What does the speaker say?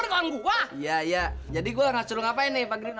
iya iya jadi gua harus dulu ngapain nih pak gino